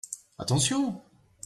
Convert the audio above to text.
Attention.